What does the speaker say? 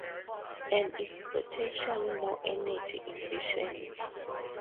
And is potentially more energy efficient.